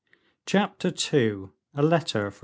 Chapter II. A Letter from M.